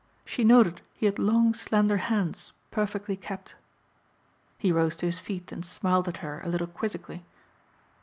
She noted he had long slender hands perfectly kept. He rose to his feet and smiled at her a little quizzically.